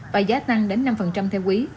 và giá tăng đến năm theo quý